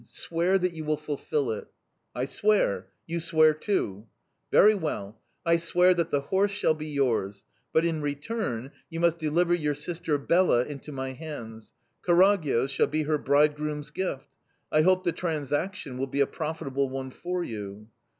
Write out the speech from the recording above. Swear that you will fulfil it?' "'I swear. You swear too!' "'Very well! I swear that the horse shall be yours. But, in return, you must deliver your sister Bela into my hands. Karagyoz shall be her bridegroom's gift. I hope the transaction will be a profitable one for you.